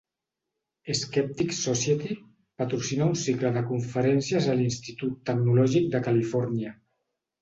Skeptics Society patrocina un cicle de conferències a l'Institut Tecnològic de Califòrnia.